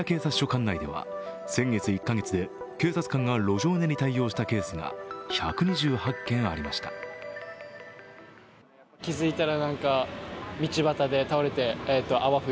管内では先月１か月で警察官が路上寝に対応したケースが１２８件ありました。